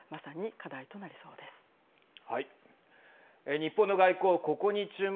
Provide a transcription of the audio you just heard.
日本の外交ここに注目。